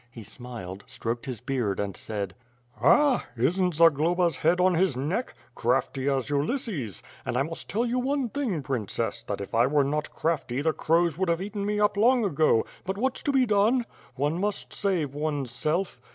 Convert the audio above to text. He smiled, stroked his beard and said: "Ah! Isn't Zagloba's head on his neck? Crafty as Ulysses! And I must tell you one thing. Princess, that if I were not crafty the crows would have eaten me up long ago, but what's to be done? One must save one self.